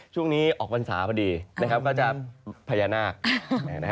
ช่วงนี้ออกพรรษาพอดีนะครับก็จะพญานาค